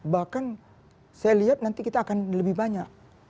bahkan saya lihat nanti kita akan lebih banyak